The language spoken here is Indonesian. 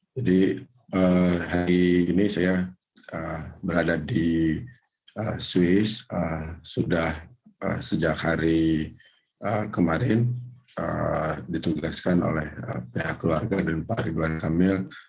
jadi hari ini saya berada di swiss sudah sejak hari kemarin ditugaskan oleh pihak keluarga dan pak ridwan kamil